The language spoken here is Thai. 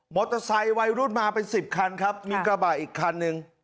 มอเตอร์ไซด์ไวรูสมาเป็นสิบคันครับครับมิงกระบาดอีกคันหนึ่ง